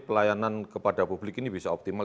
pelayanan kepada publik ini bisa optimal